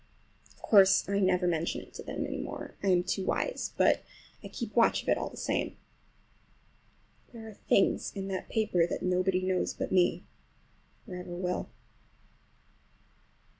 Of course I never mention it to them any more,—I am too wise,—but I keep watch of it all the same. There are things in that paper that nobody knows but me, or ever will.